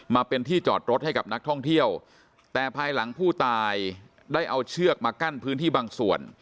มาเป็นที่จอดรถให้กับนักท่องเที่ยวแต่ภายหลังผู้ตายได้เอาเชือกมากั้นพื้นที่บางส่วน